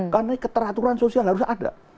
karena keteraturan sosial harus ada